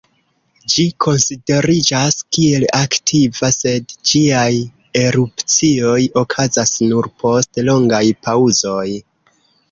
Ĝi konsideriĝas kiel aktiva, sed ĝiaj erupcioj okazas nur post longaj paŭzoj.